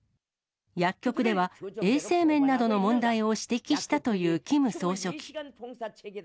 薬局では衛生面などの問題を指摘したというキム総書記。